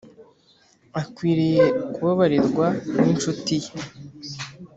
akwiriye kubabarirwa n’incuti ye